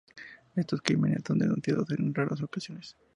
Estos crímenes son denunciados en raras ocasiones.